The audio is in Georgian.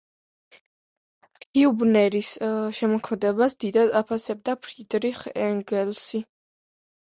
ჰიუბნერის შემოქმედებას დიდად აფასებდა ფრიდრიხ ენგელსი.